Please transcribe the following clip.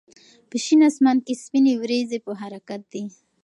په شین اسمان کې سپینې وريځې په حرکت دي.